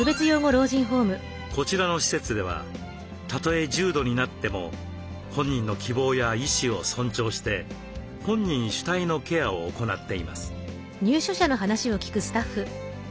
こちらの施設ではたとえ重度になっても本人の希望や意思を尊重して本人主体のケアを行っています。